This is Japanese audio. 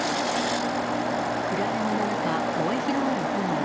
暗闇の中、燃え広がる炎。